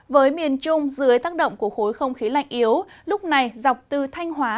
với miền trung dưới tác động của khối không khí lạnh yếu lúc này dọc từ thanh hóa